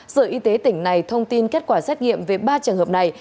sở y tế tỉnh này thông tin kết quả xét nghiệm về ba trường hợp này